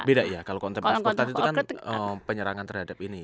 beda ya kalau content of court tadi itu kan penyerangan terhadap ini